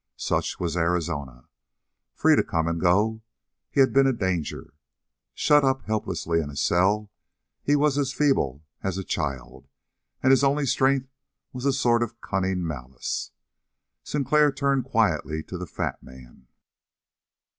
Such was Arizona. Free to come and go, he had been a danger. Shut up helplessly in a cell, he was as feeble as a child, and his only strength was a sort of cunning malice. Sinclair turned quietly to the fat man.